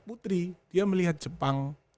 putri dia melihat jepang